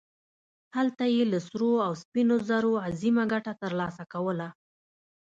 هلته یې له سرو او سپینو زرو عظیمه ګټه ترلاسه کوله.